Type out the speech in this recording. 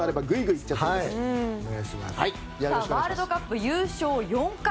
ワールドカップ優勝４回